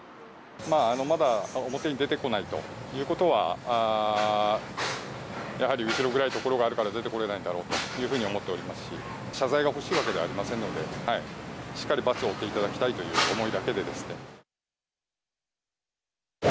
まだ表に出てこないということは、やはり後ろ暗いところがあるから出てこれないんだろうというふうに思っておりますし、謝罪が欲しいわけじゃありませんので、しっかり罰をおっていただきたいという思いだけでですね。